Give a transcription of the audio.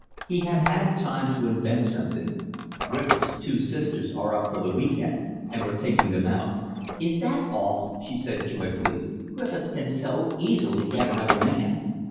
He had had time to invent something. "Griffiths' two sisters are up for the week end and we're taking them out." "Is that all?" she said joyfully. "Griffiths can so easily get another man."